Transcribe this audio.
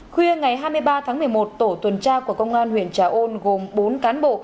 khuya ngày hai mươi ba tháng một mươi một tổ tuần tra của công an huyện trà ôn gồm bốn cán bộ